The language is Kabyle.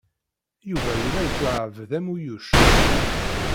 Yuba yella yettwaɛbed am uyuc.